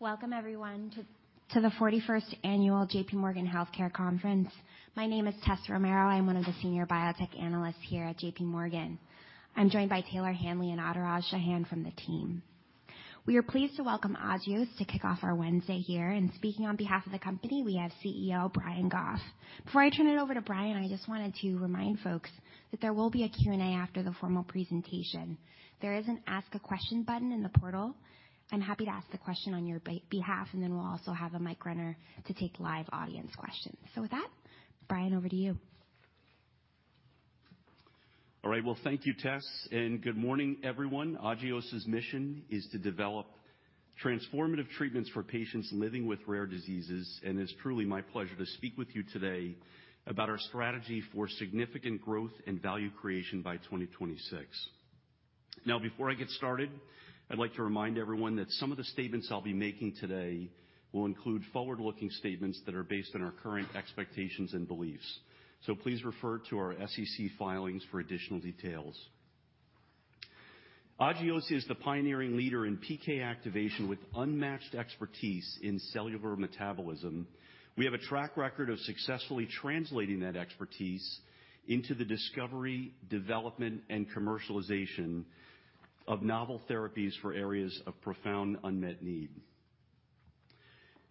Welcome everyone to the 41st annual J.P. Morgan Healthcare Conference. My name is Tessa Romero. I'm one of the senior biotech analysts here at JPMorgan. I'm joined by Taylor Hanley and Atoraj Shah from the team. We are pleased to welcome Agios to kick off our Wednesday here. Speaking on behalf of the company, we have CEO Brian Goff. Before I turn it over to Brian, I just wanted to remind folks that there will be a Q&A after the formal presentation. There is an Ask a Question button in the portal. I'm happy to ask the question on your behalf, and then we'll also have a mic runner to take live audience questions. With that, Brian, over to you. All right. Well, thank you, Tess, good morning everyone. Agios' mission is to develop transformative treatments for patients living with rare diseases, it's truly my pleasure to speak with you today about our strategy for significant growth and value creation by 2026. Now, before I get started, I'd like to remind everyone that some of the statements I'll be making today will include forward-looking statements that are based on our current expectations and beliefs. Please refer to our SEC filings for additional details. Agios is the pioneering leader in PK activation with unmatched expertise in cellular metabolism. We have a track record of successfully translating that expertise into the discovery, development, and commercialization of novel therapies for areas of profound unmet need.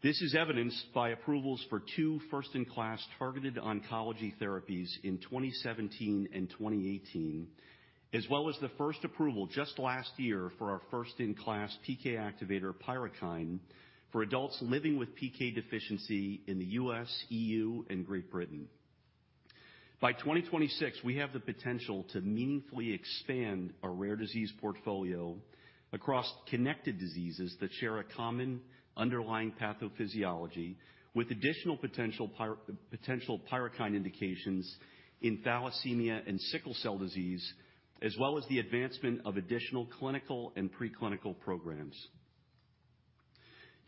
This is evidenced by approvals for two first-in-class targeted oncology therapies in 2017 and 2018, as well as the first approval just last year for our first-in-class PK activator, PYRUKYND, for adults living with PK deficiency in the U.S., EU, and Great Britain. By 2026, we have the potential to meaningfully expand our rare disease portfolio across connected diseases that share a common underlying pathophysiology, with additional potential PYRUKYND indications in thalassemia and sickle cell disease, as well as the advancement of additional clinical and pre-clinical programs.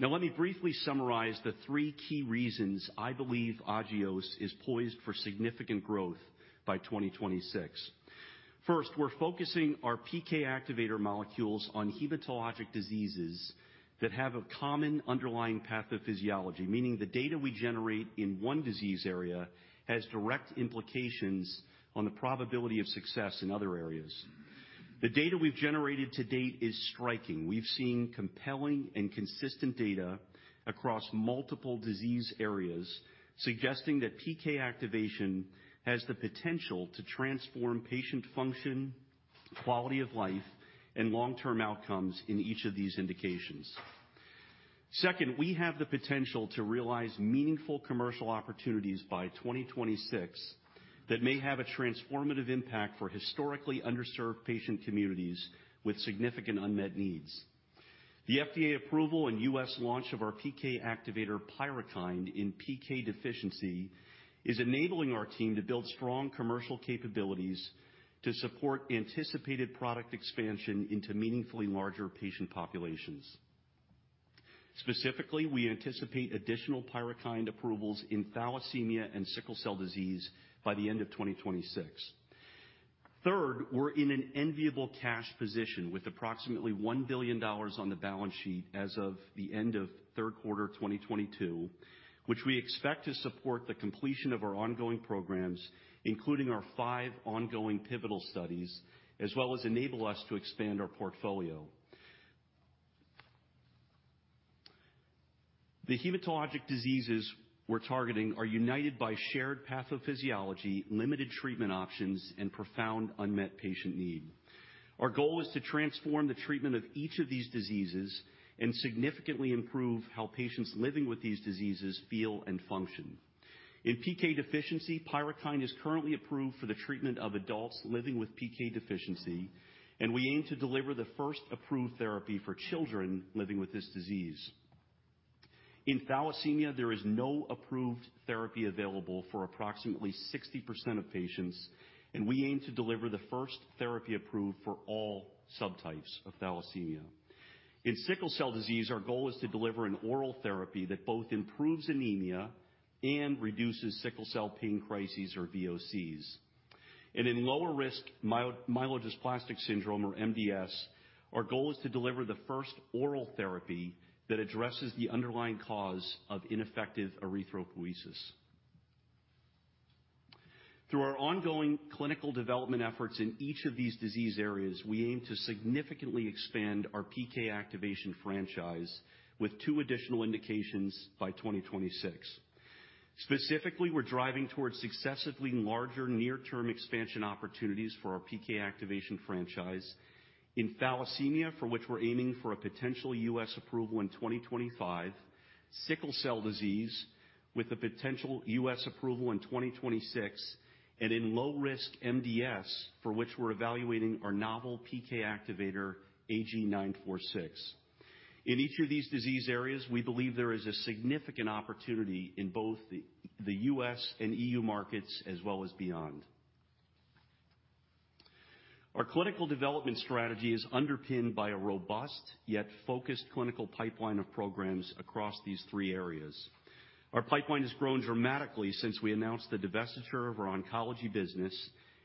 Now, let me briefly summarize the three key reasons I believe Agios is poised for significant growth by 2026. First, we're focusing our PK activator molecules on hematologic diseases that have a common underlying pathophysiology, meaning the data we generate in one disease area has direct implications on the probability of success in other areas. The data we've generated to date is striking. We've seen compelling and consistent data across multiple disease areas, suggesting that PK activation has the potential to transform patient function, quality of life, and long-term outcomes in each of these indications. Second, we have the potential to realize meaningful commercial opportunities by 2026 that may have a transformative impact for historically underserved patient communities with significant unmet needs. The FDA approval and US launch of our PK activator, PYRUKYND, in PK deficiency is enabling our team to build strong commercial capabilities to support anticipated product expansion into meaningfully larger patient populations. Specifically, we anticipate additional PYRUKYND approvals in thalassemia and sickle cell disease by the end of 2026. We're in an enviable cash position with approximately $1 billion on the balance sheet as of the end of third quarter 2022, which we expect to support the completion of our ongoing programs, including our five ongoing pivotal studies, as well as enable us to expand our portfolio. The hematologic diseases we're targeting are united by shared pathophysiology, limited treatment options, and profound unmet patient need. Our goal is to transform the treatment of each of these diseases and significantly improve how patients living with these diseases feel and function. In PK deficiency, PYRUKYND is currently approved for the treatment of adults living with PK deficiency, and we aim to deliver the first approved therapy for children living with this disease. In thalassemia, there is no approved therapy available for approximately 60% of patients, and we aim to deliver the first therapy approved for all subtypes of thalassemia. In sickle cell disease, our goal is to deliver an oral therapy that both improves anemia and reduces sickle cell pain crises or VOCs. In lower risk myelodysplastic syndrome or MDS, our goal is to deliver the first oral therapy that addresses the underlying cause of ineffective erythropoiesis. Through our ongoing clinical development efforts in each of these disease areas, we aim to significantly expand our PK activation franchise with two additional indications by 2026. Specifically, we're driving towards successively larger near-term expansion opportunities for our PK activation franchise in thalassemia, for which we're aiming for a potential U.S. approval in 2025, sickle cell disease, with a potential U.S. approval in 2026, and in low-risk MDS, for which we're evaluating our novel PK activator, AG-946. In each of these disease areas, we believe there is a significant opportunity in both the U.S. and E.U. markets, as well as beyond. Our clinical development strategy is underpinned by a robust yet focused clinical pipeline of programs across these three areas. Our pipeline has grown dramatically since we announced the divestiture of our oncology business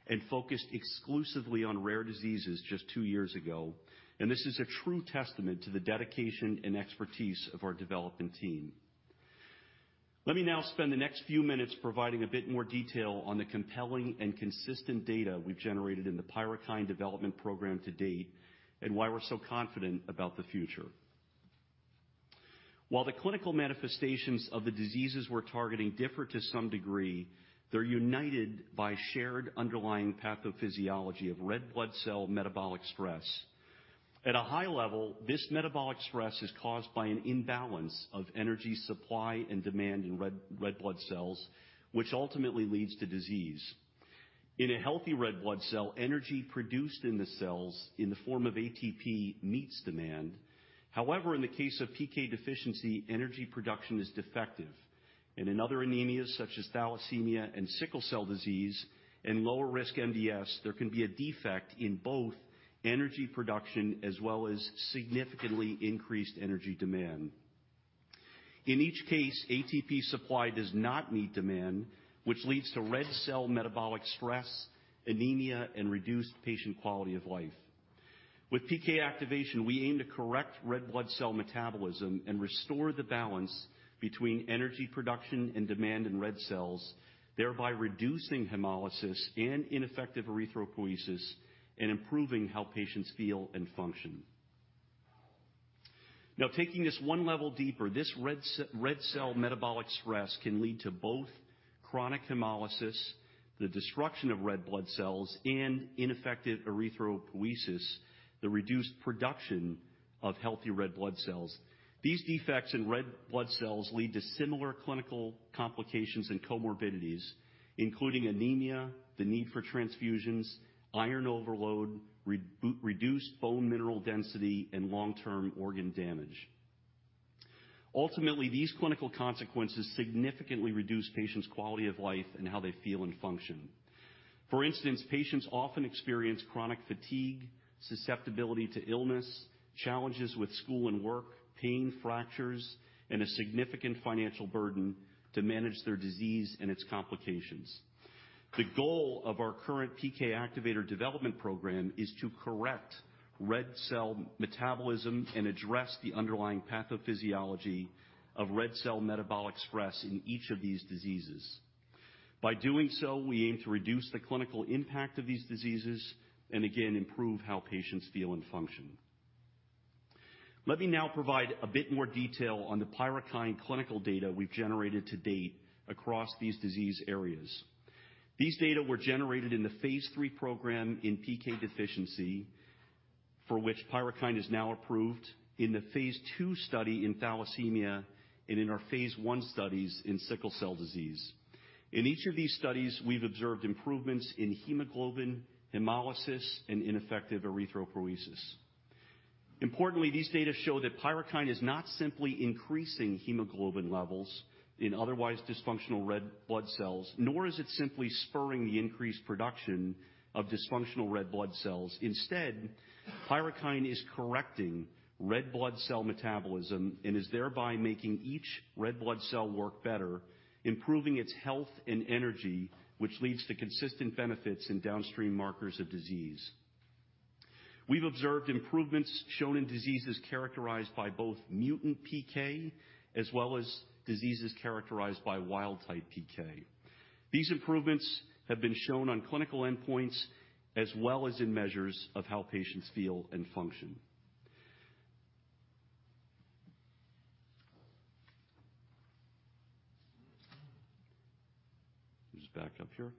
and focused exclusively on rare diseases just two years ago. This is a true testament to the dedication and expertise of our development team. Let me now spend the next few minutes providing a bit more detail on the compelling and consistent data we've generated in the PYRUKYND development program to date and why we're so confident about the future. While the clinical manifestations of the diseases we're targeting differ to some degree, they're united by shared underlying pathophysiology of red blood cell metabolic stress. At a high level, this metabolic stress is caused by an imbalance of energy supply and demand in red blood cells, which ultimately leads to disease. In a healthy red blood cell, energy produced in the cells in the form of ATP meets demand. However, in the case of PK deficiency, energy production is defective. In other anemias such as thalassemia and sickle cell disease and lower-risk MDS, there can be a defect in both energy production as well as significantly increased energy demand. In each case, ATP supply does not meet demand, which leads to red cell metabolic stress, anemia, and reduced patient quality of life. With PK activation, we aim to correct red blood cell metabolism and restore the balance between energy production and demand in red cells, thereby reducing hemolysis and ineffective erythropoiesis and improving how patients feel and function. Now taking this one level deeper, this red cell metabolic stress can lead to both chronic hemolysis, the destruction of red blood cells, and ineffective erythropoiesis, the reduced production of healthy red blood cells. These defects in red blood cells lead to similar clinical complications and comorbidities, including anemia, the need for transfusions, iron overload, reduced bone mineral density, and long-term organ damage. Ultimately, these clinical consequences significantly reduce patients' quality of life and how they feel and function. For instance, patients often experience chronic fatigue, susceptibility to illness, challenges with school and work, pain, fractures, and a significant financial burden to manage their disease and its complications. The goal of our current PK activator development program is to correct red cell metabolism and address the underlying pathophysiology of red blood cell metabolic stress in each of these diseases. By doing so, we aim to reduce the clinical impact of these diseases and again, improve how patients feel and function. Let me now provide a bit more detail on the PYRUKYND clinical data we've generated to date across these disease areas. These data were generated in the phase three program in PK deficiency, for which PYRUKYND is now approved in the phase 2 study in thalassemia, and in our phase 1 studies in sickle cell disease. In each of these studies, we've observed improvements in hemoglobin, hemolysis, and ineffective erythropoiesis. Importantly, these data show that PYRUKYND is not simply increasing hemoglobin levels in otherwise dysfunctional red blood cells, nor is it simply spurring the increased production of dysfunctional red blood cells. Instead, PYRUKYND is correcting red blood cell metabolism and is thereby making each red blood cell work better, improving its health and energy, which leads to consistent benefits in downstream markers of disease. We've observed improvements shown in diseases characterized by both mutant PK as well as diseases characterized by wild type PK. These improvements have been shown on clinical endpoints as well as in measures of how patients feel and function. Just back up here.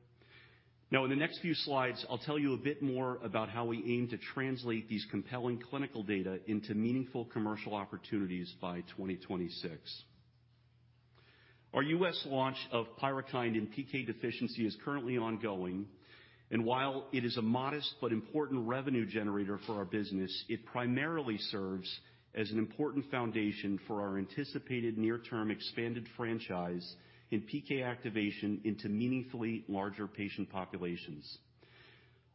In the next few slides, I'll tell you a bit more about how we aim to translate these compelling clinical data into meaningful commercial opportunities by 2026. Our U.S. launch of PYRUKYND in PK deficiency is currently ongoing, and while it is a modest but important revenue generator for our business, it primarily serves as an important foundation for our anticipated near-term expanded franchise in PK activation into meaningfully larger patient populations.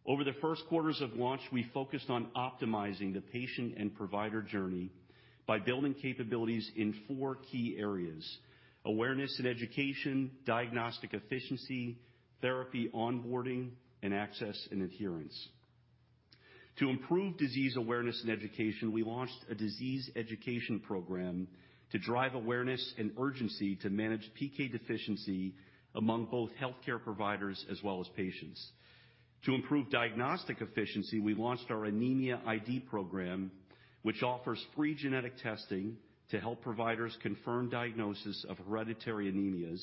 Over the first quarters of launch, we focused on optimizing the patient and provider journey by building capabilities in four key areas: awareness and education, diagnostic efficiency, therapy onboarding, and access and adherence. To improve disease awareness and education, we launched a disease education program to drive awareness and urgency to manage PK deficiency among both healthcare providers as well as patients. To improve diagnostic efficiency, we launched our Anemia ID program, which offers free genetic testing to help providers confirm diagnosis of hereditary anemias.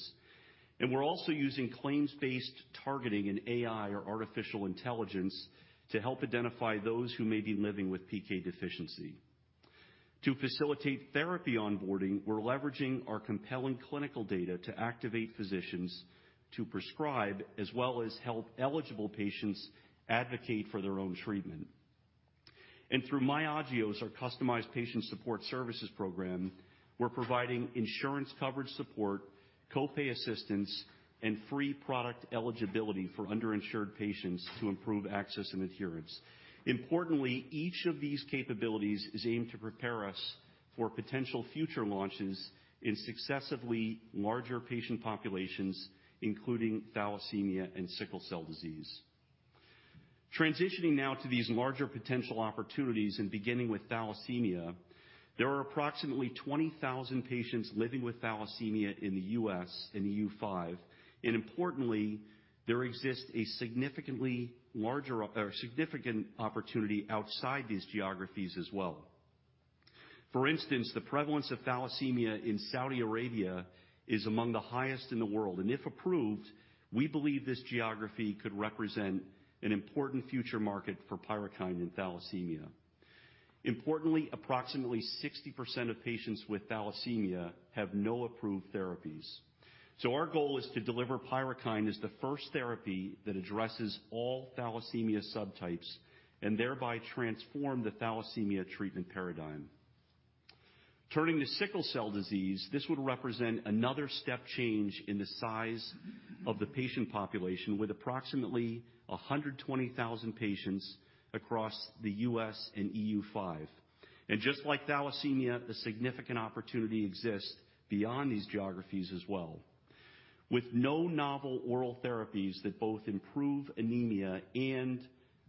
We're also using claims-based targeting and AI or artificial intelligence to help identify those who may be living with PK deficiency. To facilitate therapy onboarding, we're leveraging our compelling clinical data to activate physicians to prescribe as well as help eligible patients advocate for their own treatment. Through myAgios, our customized patient support services program, we're providing insurance coverage support, co-pay assistance, and free product eligibility for underinsured patients to improve access and adherence. Importantly, each of these capabilities is aimed to prepare us for potential future launches in successively larger patient populations, including thalassemia and sickle cell disease. Transitioning now to these larger potential opportunities and beginning with thalassemia. There are approximately 20,000 patients living with thalassemia in the US and EU five. Importantly, there exists a significantly larger or significant opportunity outside these geographies as well. For instance, the prevalence of thalassemia in Saudi Arabia is among the highest in the world. If approved, we believe this geography could represent an important future market for PYRUKYND and thalassemia. Importantly, approximately 60% of patients with thalassemia have no approved therapies. Our goal is to deliver PYRUKYND as the first therapy that addresses all thalassemia subtypes and thereby transform the thalassemia treatment paradigm. Turning to sickle cell disease, this would represent another step change in the size of the patient population with approximately 120,000 patients across the US and EU five. Just like thalassemia, the significant opportunity exists beyond these geographies as well. With no novel oral therapies that both improve anemia and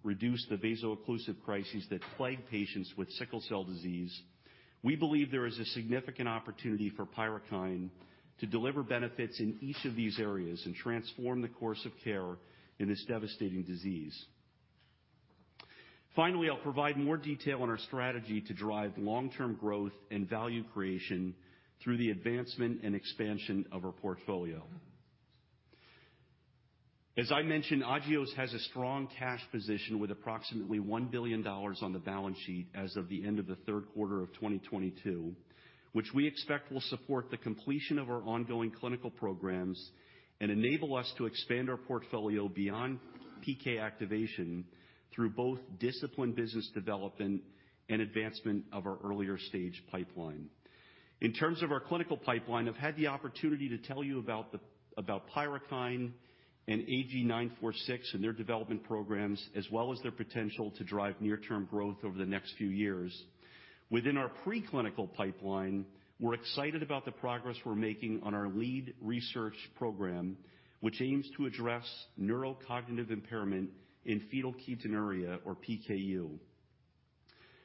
reduce the vaso-occlusive crises that plague patients with sickle cell disease, we believe there is a significant opportunity for PYRUKYND to deliver benefits in each of these areas and transform the course of care in this devastating disease. Finally, I'll provide more detail on our strategy to drive long-term growth and value creation through the advancement and expansion of our portfolio. As I mentioned, Agios has a strong cash position with approximately $1 billion on the balance sheet as of the end of the third quarter of 2022, which we expect will support the completion of our ongoing clinical programs and enable us to expand our portfolio beyond PK activation through both disciplined business development and advancement of our earlier stage pipeline. In terms of our clinical pipeline, I've had the opportunity to tell you about PYRUKYND and AG-946 in their development programs, as well as their potential to drive near-term growth over the next few years. Within our preclinical pipeline, we're excited about the progress we're making on our lead research program, which aims to address neurocognitive impairment in phenylketonuria, or PKU.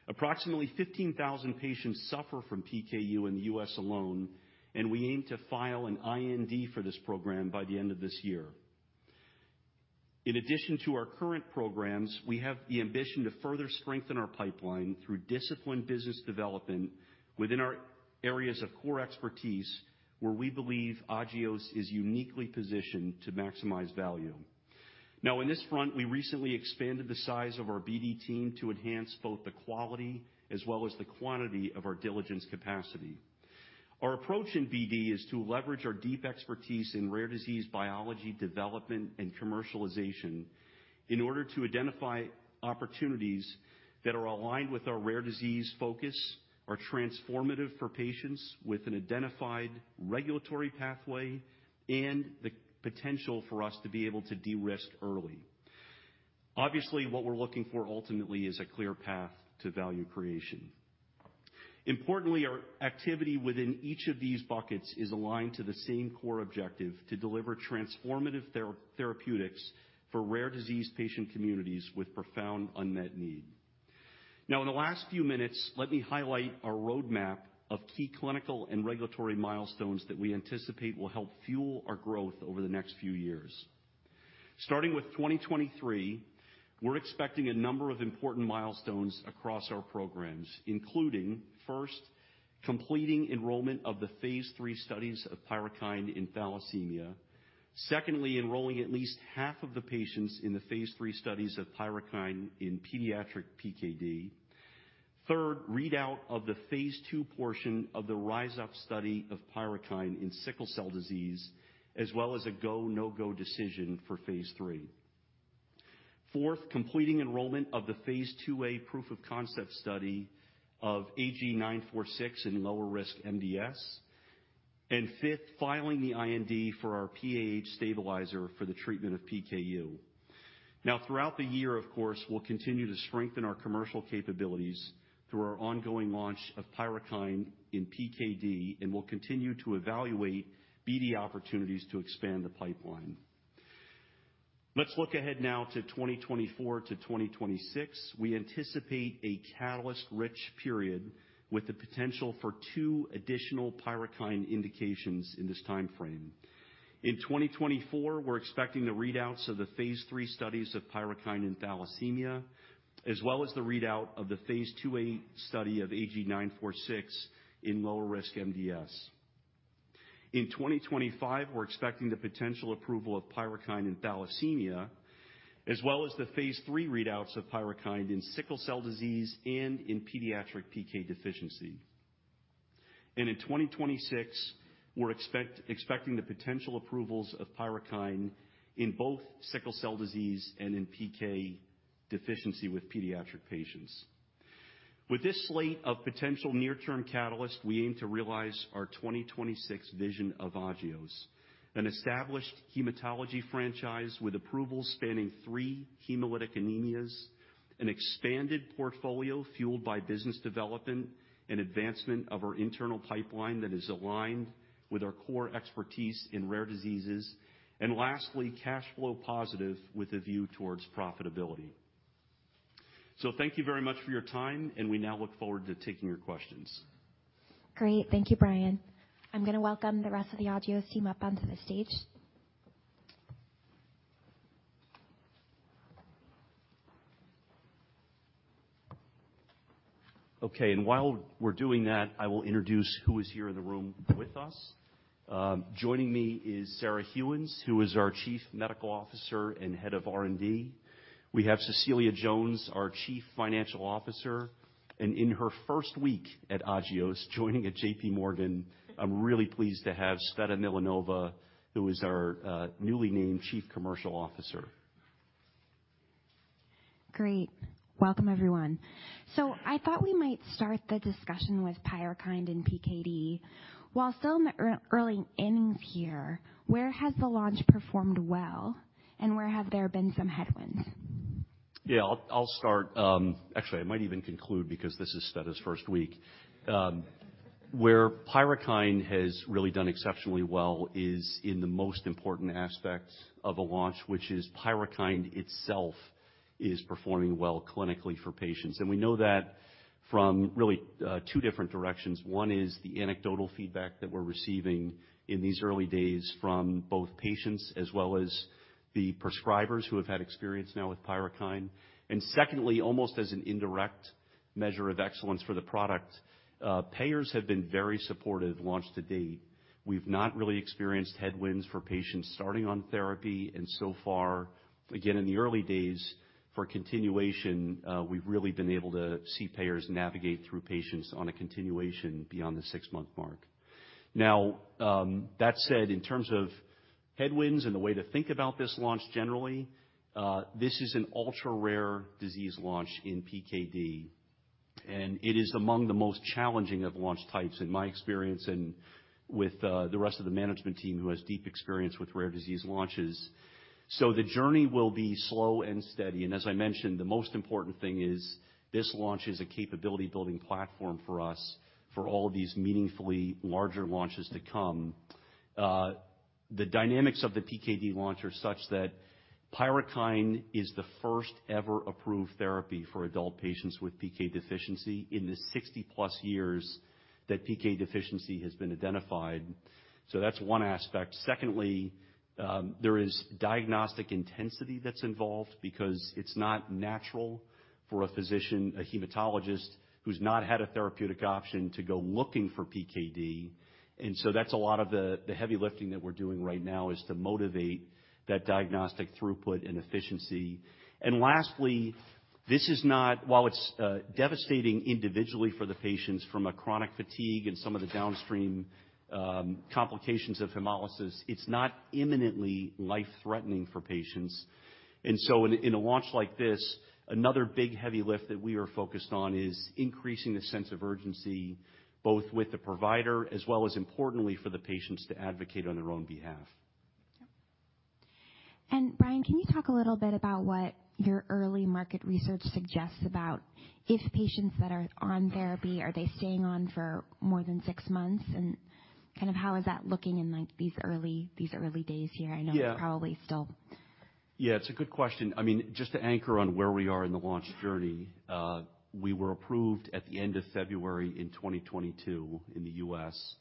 Approximately 15,000 patients suffer from PKU in the U.S. alone. We aim to file an IND for this program by the end of this year. In addition to our current programs, we have the ambition to further strengthen our pipeline through disciplined business development within our areas of core expertise, where we believe Agios is uniquely positioned to maximize value. In this front, we recently expanded the size of our BD team to enhance both the quality as well as the quantity of our diligence capacity. Our approach in BD is to leverage our deep expertise in rare disease biology, development, and commercialization in order to identify opportunities that are aligned with our rare disease focus, are transformative for patients with an identified regulatory pathway, and the potential for us to be able to de-risk early. Obviously, what we're looking for ultimately is a clear path to value creation. Importantly, our activity within each of these buckets is aligned to the same core objective to deliver transformative therapeutics for rare disease patient communities with profound unmet need. Now in the last few minutes, let me highlight our roadmap of key clinical and regulatory milestones that we anticipate will help fuel our growth over the next few years. Starting with 2023, we're expecting a number of important milestones across our programs, including, first, completing enrollment of the phase 3 studies of mitapivat in thalassemia. Secondly, enrolling at least half of the patients in the phase 3 studies of mitapivat in pediatric PKD. Third, readout of the phase 2 portion of the RISE UP study of mitapivat in sickle cell disease, as well as a go, no-go decision for phase 3. Fourth, completing enrollment of the Phase 2a proof of concept study of AG-946 in low-risk MDS. fifth, filing the IND for our PAH stabilizer for the treatment of PKU. Now, throughout the year, of course, we'll continue to strengthen our commercial capabilities through our ongoing launch of PYRUKYND in PKD, and we'll continue to evaluate BD opportunities to expand the pipeline. Let's look ahead now to 2024 to 2026. We anticipate a catalyst-rich period with the potential for two additional PYRUKYND indications in this timeframe. In 2024, we're expecting the readouts of the Phase 3 studies of PYRUKYND in thalassemia, as well as the readout of the Phase 2a study of AG-946 in low-risk MDS. In 2025, we're expecting the potential approval of PYRUKYND in thalassemia, as well as the Phase 3 readouts of PYRUKYND in sickle cell disease and in pediatric PK deficiency. In 2026, we're expecting the potential approvals of PYRUKYND in both sickle cell disease and in PK deficiency with pediatric patients. With this slate of potential near-term catalyst, we aim to realize our 2026 vision of Agios, an established hematology franchise with approvals spanning three hemolytic anemias. An expanded portfolio fueled by business development and advancement of our internal pipeline that is aligned with our core expertise in rare diseases. Lastly, cash flow positive with a view towards profitability. Thank you very much for your time, and we now look forward to taking your questions. Great. Thank you, Brian. I'm gonna welcome the rest of the Agios team up onto the stage. Okay. While we're doing that, I will introduce who is here in the room with us. Joining me is Sarah Gheuens, who is our Chief Medical Officer and Head of R&D. We have Cecilia Jones, our Chief Financial Officer, and in her first week at Agios, joining at J.P. Morgan, I'm really pleased to have Tsveta Milanova, who is our newly named Chief Commercial Officer. Great. Welcome everyone. I thought we might start the discussion with PYRUKYND and PKD. While still in the early innings here, where has the launch performed well, and where have there been some headwinds? Yeah. I'll start. Actually, I might even conclude because this is Tsveta's first week. where PYRUKYND has really done exceptionally well is in the most important aspects of a launch, which is PYRUKYND itself is performing well clinically for patients. We know that from really two different directions. One is the anecdotal feedback that we're receiving in these early days from both patients as well as the prescribers who have had experience now with PYRUKYND. Secondly, almost as an indirect measure of excellence for the product, payers have been very supportive launch to date. We've not really experienced headwinds for patients starting on therapy. So far, again, in the early days for continuation, we've really been able to see payers navigate through patients on a continuation beyond the six-month mark. That said, in terms of headwinds and the way to think about this launch generally, this is an ultra-rare disease launch in PKD, and it is among the most challenging of launch types in my experience and with the rest of the management team who has deep experience with rare disease launches. The journey will be slow and steady. As I mentioned, the most important thing is this launch is a capability-building platform for us for all of these meaningfully larger launches to come. The dynamics of the PKD launch are such that PYRUKYND is the first ever approved therapy for adult patients with PK deficiency in the 60-plus years that PK deficiency has been identified. That's one aspect. Secondly, there is diagnostic intensity that's involved because it's not natural for a physician, a hematologist, who's not had a therapeutic option to go looking for PKD. That's a lot of the heavy lifting that we're doing right now is to motivate that diagnostic throughput and efficiency. Lastly, while it's devastating individually for the patients from a chronic fatigue and some of the downstream complications of hemolysis, it's not imminently life-threatening for patients. In a launch like this, another big heavy lift that we are focused on is increasing the sense of urgency, both with the provider as well as importantly for the patients to advocate on their own behalf. Yep. Brian, can you talk a little bit about what your early market research suggests about if patients that are on therapy, are they staying on for more than 6 months? Kind of how is that looking in, like, these early days here? Yeah. I know you're probably still. Yeah, it's a good question. I mean, just to anchor on where we are in the launch journey, we were approved at the end of February in 2022 in the U.S.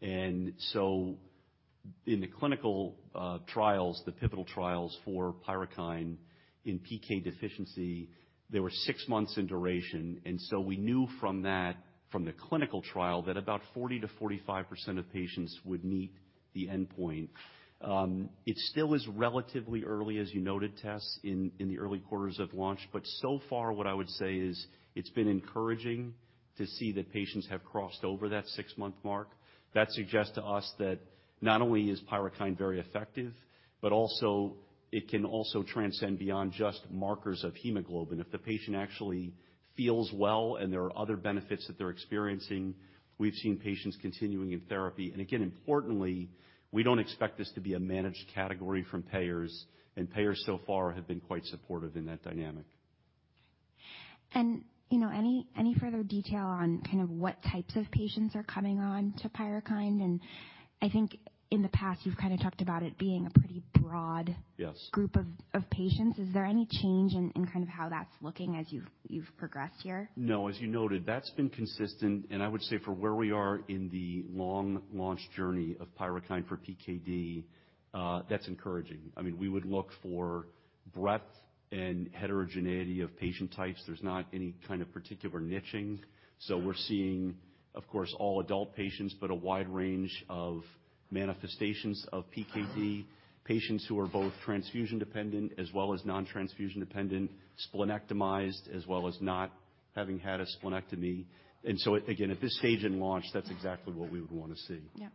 In the clinical trials, the pivotal trials for PYRUKYND in PK deficiency, they were 6 months in duration. We knew from that, from the clinical trial that about 40%-45% of patients would meet the endpoint. It still is relatively early, as you noted, Tess, in the early quarters of launch. So far what I would say is it's been encouraging to see that patients have crossed over that 6-month mark. That suggests to us that not only is PYRUKYND very effective, but also it can also transcend beyond just markers of hemoglobin. If the patient actually feels well and there are other benefits that they're experiencing, we've seen patients continuing in therapy. Again, importantly, we don't expect this to be a managed category from payers, and payers so far have been quite supportive in that dynamic. You know, any further detail on kind of what types of patients are coming on to PYRUKYND? I think in the past, you've kinda talked about it being a pretty. Yes... group of patients. Is there any change in kind of how that's looking as you've progressed here? No. As you noted, that's been consistent. I would say for where we are in the long launch journey of PYRUKYND for PKD, that's encouraging. I mean, we would look for breadth and heterogeneity of patient types. There's not any kind of particular niching. We're seeing, of course, all adult patients, but a wide range of manifestations of PKD, patients who are both transfusion-dependent as well as non-transfusion-dependent, splenectomized as well as not having had a splenectomy. Again, at this stage in launch, that's exactly what we would wanna see. Yeah.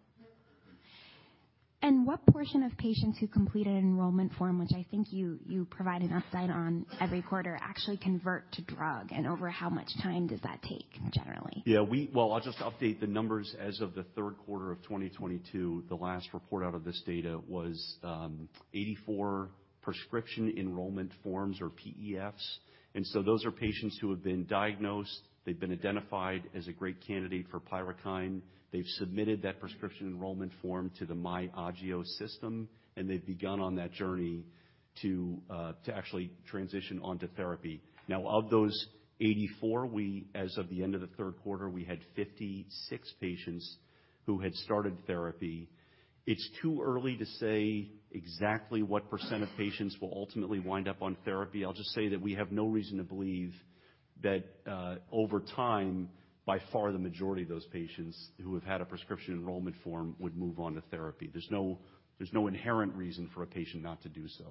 What portion of patients who completed an enrollment form, which I think you provide an update on every quarter, actually convert to drug? Over how much time does that take generally? Yeah, well, I'll just update the numbers as of the third quarter of 2022. The last report out of this data was 84 Prescription Enrollment Forms or PEFs. Those are patients who have been diagnosed, they've been identified as a great candidate for PYRUKYND. They've submitted that Prescription Enrollment Form to the myAgios system, and they've begun on that journey to actually transition onto therapy. Now, of those 84, we, as of the end of the third quarter, we had 56 patients who had started therapy. It's too early to say exactly what % of patients will ultimately wind up on therapy. I'll just say that we have no reason to believe that, over time, by far, the majority of those patients who have had a Prescription Enrollment Form would move on to therapy. There's no, there's no inherent reason for a patient not to do so.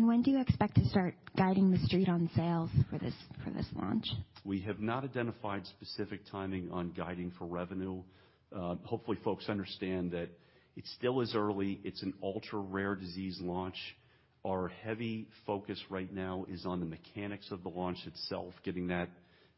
When do you expect to start guiding the street on sales for this, for this launch? We have not identified specific timing on guiding for revenue. Hopefully, folks understand that it still is early. It's an ultra-rare disease launch. Our heavy focus right now is on the mechanics of the launch itself, getting that,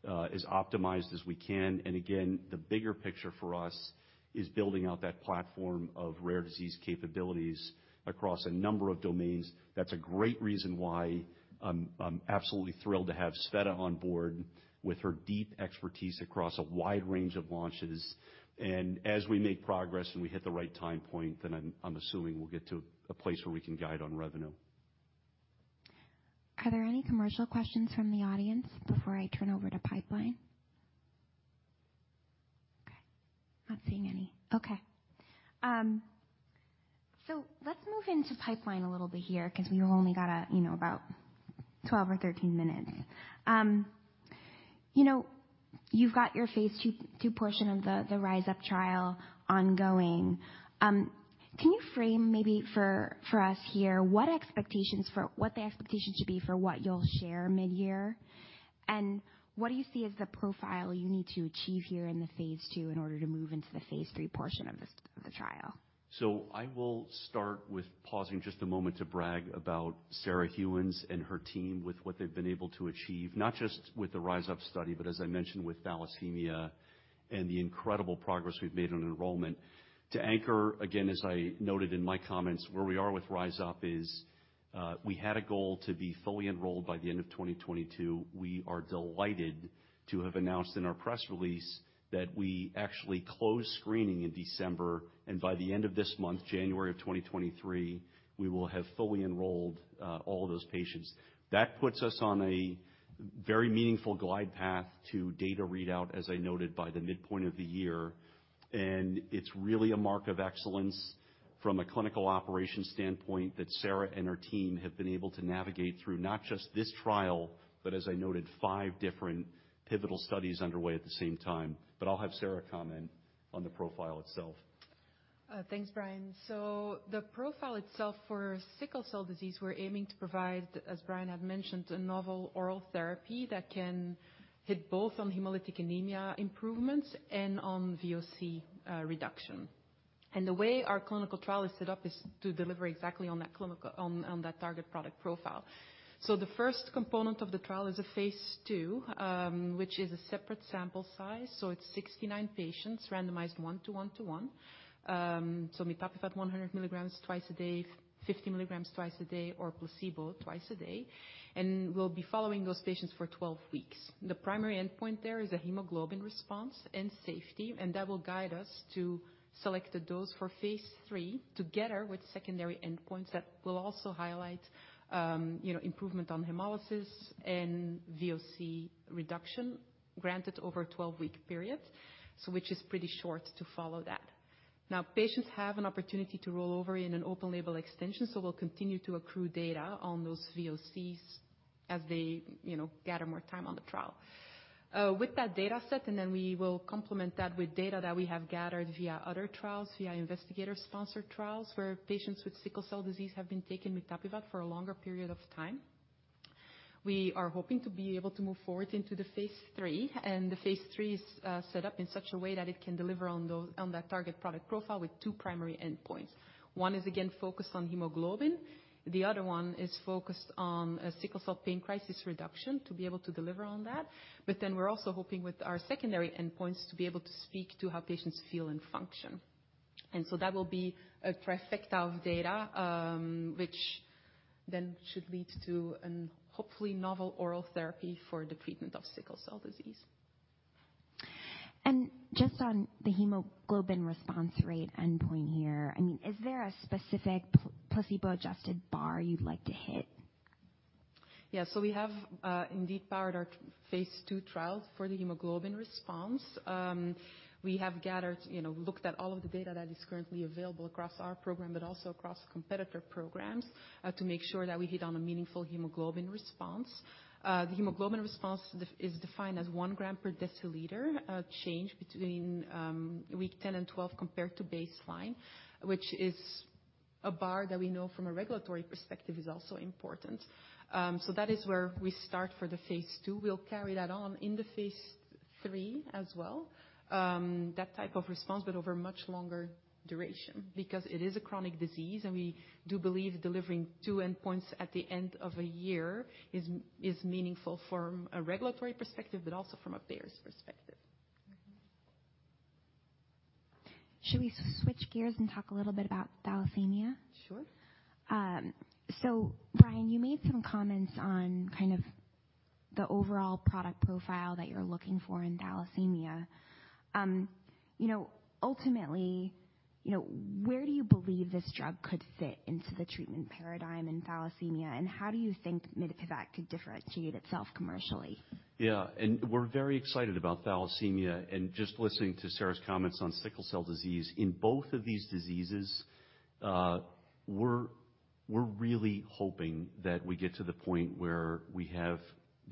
as optimized as we can. Again, the bigger picture for us is building out that platform of rare disease capabilities across a number of domains. That's a great reason why I'm absolutely thrilled to have Tsveta on board with her deep expertise across a wide range of launches. As we make progress, and we hit the right time point, then I'm assuming we'll get to a place where we can guide on revenue. Are there any commercial questions from the audience before I turn over to pipeline? Okay. Not seeing any. Okay. Let's move into pipeline a little bit here 'cause we've only got, you know, about 12 or 13 minutes. You know, you've got your Phase 2 portion of the RISE UP trial ongoing. Can you frame maybe for us here what the expectations should be for what you'll share midyear? What do you see as the profile you need to achieve here in the Phase 2 in order to move into the Phase 3 portion of the trial? I will start with pausing just a moment to brag about Sarah Gheuens and her team with what they've been able to achieve, not just with the RISE UP study, but as I mentioned, with thalassemia and the incredible progress we've made on enrollment. To anchor, again, as I noted in my comments, where we are with RISE UP is, we had a goal to be fully enrolled by the end of 2022. We are delighted to have announced in our press release that we actually closed screening in December, and by the end of this month, January of 2023, we will have fully enrolled all of those patients. That puts us on a very meaningful glide path to data readout, as I noted, by the midpoint of the year. It's really a mark of excellence from a clinical operations standpoint that Sarah and her team have been able to navigate through not just this trial, but as I noted, five different pivotal studies underway at the same time. I'll have Sarah comment on the profile itself. Thanks, Brian. The profile itself for sickle cell disease, we're aiming to provide, as Brian had mentioned, a novel oral therapy that can hit both on hemolytic anemia improvements and on VOC reduction. The way our clinical trial is set up is to deliver exactly on that target product profile. The first component of the trial is a phase 2, which is a separate sample size. It's 69 patients randomized 1-to-1 to 1. Mitapivat 100 milligrams twice a day, 50 milligrams twice a day, or placebo twice a day. We'll be following those patients for 12 weeks. The primary endpoint there is a hemoglobin response and safety. That will guide us to select a dose for Phase 3, together with secondary endpoints that will also highlight, you know, improvement on hemolysis and VOC reduction granted over a 12-week period, which is pretty short to follow that. Now, patients have an opportunity to roll over in an open label extension. We'll continue to accrue data on those VOCs as they, you know, gather more time on the trial. With that data set, we will complement that with data that we have gathered via other trials, via investigator-sponsored trials, where patients with sickle cell disease have been taking mitapivat for a longer period of time. We are hoping to be able to move forward into the phase 3. The phase 3 is set up in such a way that it can deliver on that target product profile with two primary endpoints. One is again focused on hemoglobin. The other one is focused on sickle cell pain crisis reduction to be able to deliver on that. We're also hoping with our secondary endpoints to be able to speak to how patients feel and function. That will be a trifecta of data, which should lead to an hopefully novel oral therapy for the treatment of sickle cell disease. Just on the hemoglobin response rate endpoint here, I mean, is there a specific placebo-adjusted bar you'd like to hit? We have indeed powered our phase 2 trial for the hemoglobin response. We have gathered, you know, looked at all of the data that is currently available across our program, but also across competitor programs, to make sure that we hit on a meaningful hemoglobin response. The hemoglobin response is defined as 1 g/dl change between week 10 and 12 compared to baseline, which is a bar that we know from a regulatory perspective is also important. That is where we start for the phase 2. We'll carry that on in the phase 3 as well. That type of response, but over much longer duration because it is a chronic disease. We do believe delivering two endpoints at the end of a year is meaningful from a regulatory perspective, but also from a patient perspective. Should we switch gears and talk a little bit about thalassemia? Sure. Brian, you made some comments on kind of the overall product profile that you're looking for in thalassemia. You know, ultimately, you know, where do you believe this drug could fit into the treatment paradigm in thalassemia? How do you think mitapivat could differentiate itself commercially? Yeah. We're very excited about thalassemia. Just listening to Sarah's comments on sickle cell disease, in both of these diseases, we're really hoping that we get to the point where we have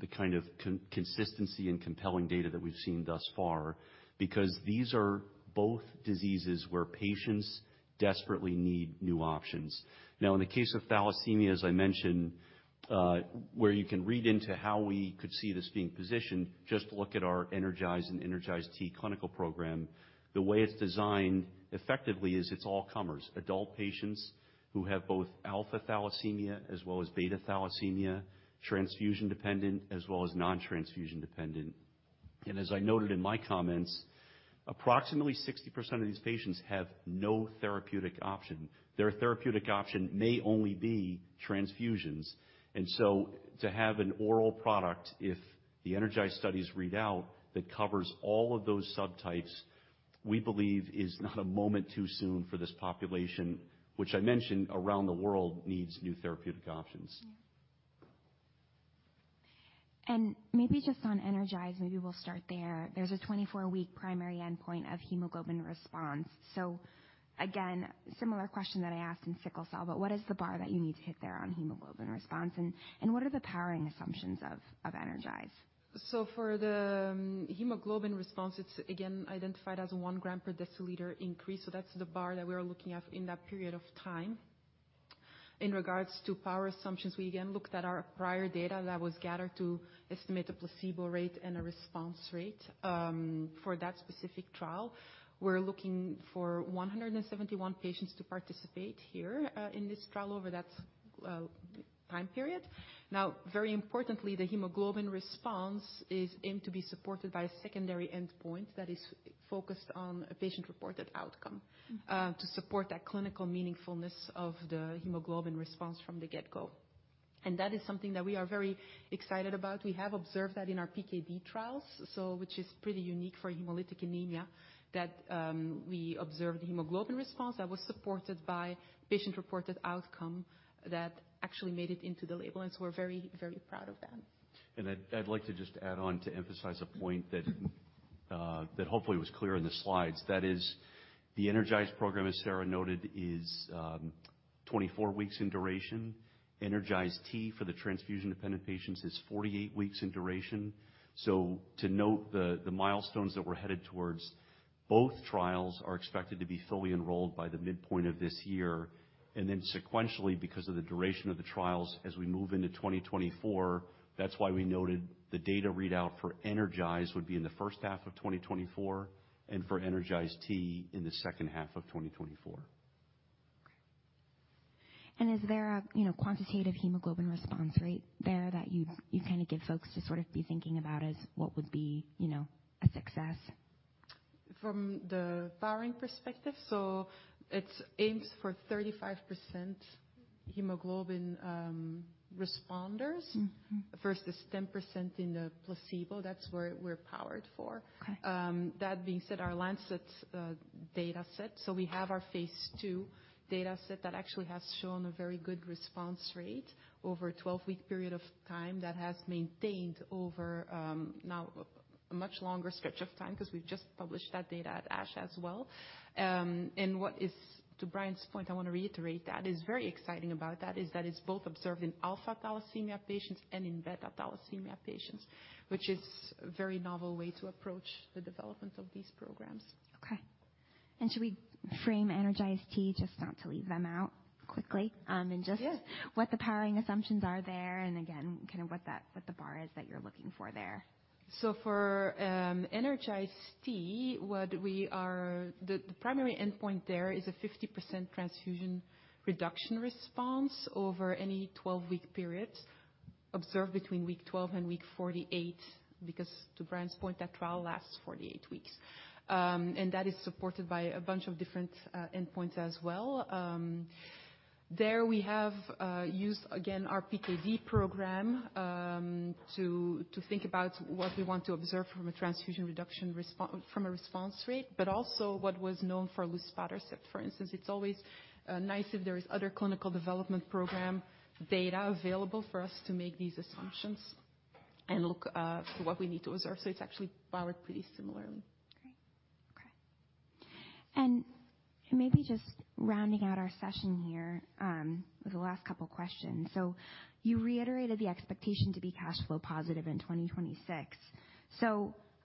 the kind of consistency and compelling data that we've seen thus far, because these are both diseases where patients desperately need new options. Now, in the case of thalassemia, as I mentioned, where you can read into how we could see this being positioned, just look at our ENERGIZE and ENERGIZE-T clinical program. The way it's designed effectively is it's all comers, adult patients who have both alpha thalassemia as well as beta thalassemia, transfusion-dependent, as well as non-transfusion dependent. As I noted in my comments, approximately 60% of these patients have no therapeutic option. Their therapeutic option may only be transfusions. To have an oral product, if the ENERGIZE studies read out, that covers all of those subtypes, we believe is not a moment too soon for this population, which I mentioned around the world needs new therapeutic options. Maybe just on ENERGIZE, maybe we'll start there. There's a 24 week primary endpoint of hemoglobin response. Again, similar question that I asked in sickle cell, but what is the bar that you need to hit there on hemoglobin response and what are the powering assumptions of ENERGIZE? For the hemoglobin response, it's again identified as a 1 gram per deciliter increase. That's the bar that we are looking at in that period of time. In regards to power assumptions, we again looked at our prior data that was gathered to estimate a placebo rate and a response rate for that specific trial. We're looking for 171 patients to participate here in this trial over that time period. Very importantly, the hemoglobin response is aimed to be supported by a secondary endpoint that is focused on a patient-reported outcome to support that clinical meaningfulness of the hemoglobin response from the get go. That is something that we are very excited about. We have observed that in our PKD trials, so which is pretty unique for hemolytic anemia, that we observed hemoglobin response that was supported by patient-reported outcome that actually made it into the label. We're very, very proud of that. I'd like to just add on to emphasize a point that hopefully was clear in the slides. That is the ENERGIZE program, as Sarah noted, is 24 weeks in duration. ENERGIZE-T for the transfusion-dependent patients is 48 weeks in duration. To note the milestones that we're headed towards, both trials are expected to be fully enrolled by the midpoint of this year. Sequentially, because of the duration of the trials as we move into 2024, that's why we noted the data readout for ENERGIZE would be in the first half of 2024, and for ENERGIZE-T in the second half of 2024. Is there a, you know, quantitative hemoglobin response rate there that you kind of give folks to sort of be thinking about as what would be, you know, a success? From the powering perspective, it aims for 35% hemoglobin responders versus 10% in the placebo. That's where we're powered for. Okay. That being said, our The Lancet data set. We have our Phase 2 data set that actually has shown a very good response rate over a 12-week period of time that has maintained over now a much longer stretch of time, 'cause we've just published that data at ASH as well. What is, to Brian's point, I want to reiterate that is very exciting about that, is that it's both observed in alpha thalassemia patients and in beta thalassemia patients, which is a very novel way to approach the development of these programs. Okay. Should we frame ENERGIZE-T, just not to leave them out, quickly? Yeah. Just what the powering assumptions are there, and again, kind of what that, what the bar is that you're looking for there. For ENERGIZE-T, The primary endpoint there is a 50% transfusion reduction response over any 12-week period observed between week 12 and week 48. Because to Brian's point, that trial lasts 48 weeks. That is supported by a bunch of different endpoints as well. There we have used again our PKD program to think about what we want to observe from a transfusion reduction from a response rate, but also what was known for Luspatercept for instance. It's always nice if there is other clinical development program data available for us to make these assumptions and look to what we need to observe. It's actually powered pretty similarly. Great. Okay. Maybe just rounding out our session here, with the last couple questions. You reiterated the expectation to be cash flow positive in 2026.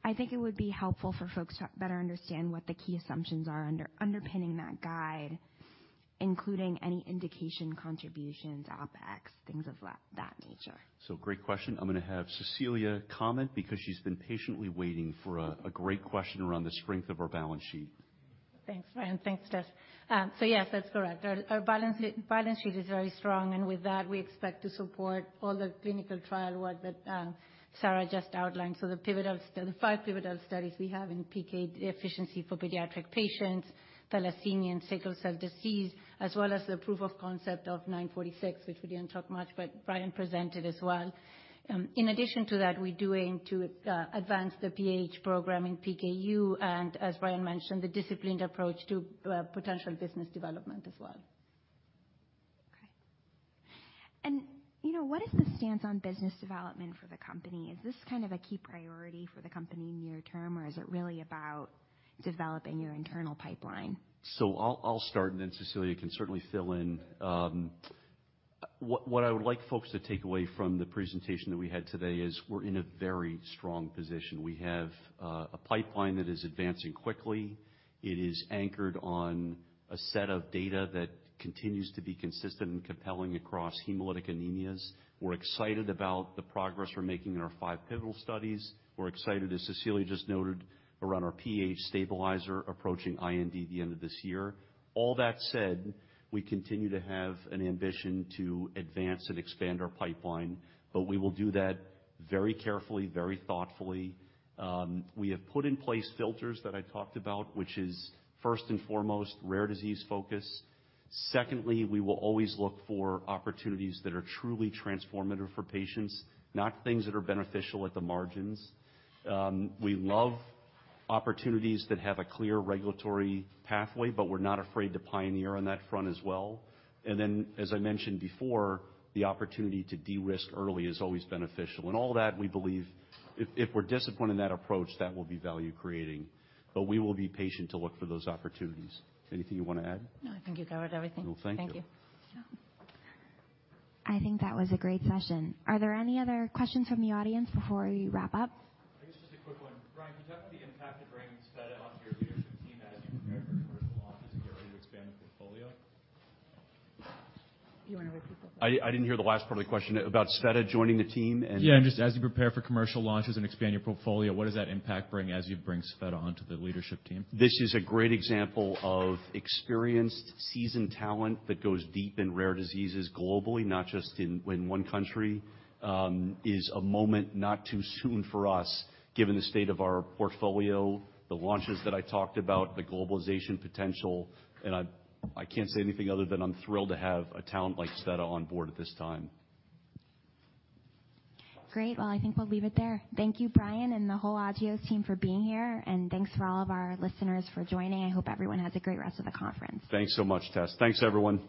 I think it would be helpful for folks to better understand what the key assumptions are underpinning that guide. Including any indication contributions, OpEx, things of that nature. Great question. I'm going to have Cecilia comment because she's been patiently waiting for a great question around the strength of our balance sheet. Thanks, Brian. Thanks, Tess. Yes, that's correct. Our balance sheet is very strong, and with that, we expect to support all the clinical trial work that Sarah just outlined. The five pivotal studies we have in PK deficiency for pediatric patients, thalassemia and sickle cell disease, as well as the proof of concept of 946, which we didn't talk much, but Brian presented as well. In addition to that, we do aim to advance the PAH program in PKU, and as Brian mentioned, the disciplined approach to potential business development as well. Okay. You know, what is the stance on business development for the company? Is this kind of a key priority for the company near term, or is it really about developing your internal pipeline? I'll start, and then Cecilia can certainly fill in. What I would like folks to take away from the presentation that we had today is we're in a very strong position. We have a pipeline that is advancing quickly. It is anchored on a set of data that continues to be consistent and compelling across hemolytic anemias. We're excited about the progress we're making in our five pivotal studies. We're excited, as Cecilia just noted, around our PAH stabilizer approaching IND the end of this year. All that said, we continue to have an ambition to advance and expand our pipeline. We will do that very carefully, very thoughtfully. We have put in place filters that I talked about, which is, first and foremost, rare disease focus. Secondly, we will always look for opportunities that are truly transformative for patients, not things that are beneficial at the margins. We love opportunities that have a clear regulatory pathway, but we're not afraid to pioneer on that front as well. As I mentioned before, the opportunity to de-risk early is always beneficial. All that, we believe if we're disciplined in that approach, that will be value-creating. We will be patient to look for those opportunities. Anything you wanna add? No, I think you covered everything. Well, thank you. Thank you. I think that was a great session. Are there any other questions from the audience before we wrap up? I guess just a quick one. Brian, could you talk about the impact of bringing Tsveta onto your leadership team as you prepare for commercial launches and get ready to expand the portfolio? You wanna repeat that? I didn't hear the last part of the question. About Tsveta joining the team. Yeah, just as you prepare for commercial launches and expand your portfolio, what does that impact bring as you bring Sveta onto the leadership team? This is a great example of experienced, seasoned talent that goes deep in rare diseases globally, not just in one country, is a moment not too soon for us, given the state of our portfolio, the launches that I talked about, the globalization potential. I can't say anything other than I'm thrilled to have a talent like Tsveta on board at this time. Great. Well, I think we'll leave it there. Thank you, Brian and the whole Agios team for being here, and thanks for all of our listeners for joining. I hope everyone has a great rest of the conference. Thanks so much, Tess. Thanks, everyone.